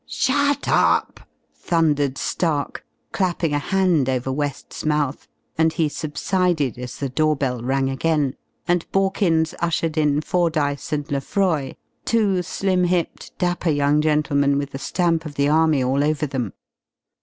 "Shut up!" thundered Stark, clapping a hand over West's mouth, and he subsided as the doorbell rang again, and Borkins ushered in Fordyce and Lefroy, two slim hipped, dapper young gentlemen with the stamp of the army all over them.